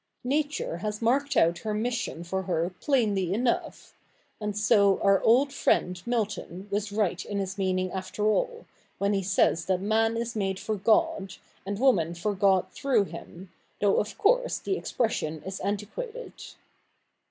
Nature has marked out her mission for her plainly enough ; and so our old friend Milton was right in his meaning after all, when he says that man is made for God, and woman for God through him, though of course the expression is antiquated.'